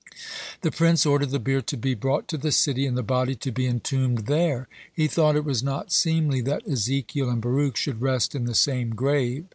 (73) The prince ordered the bier to be brought to the city, and the body to be entombed there. He thought it was not seemly that Ezekiel and Baruch should rest in the same grave.